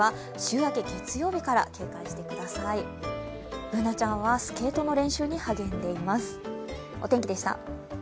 Ｂｏｏｎａちゃんはスケートの練習に励んでいます。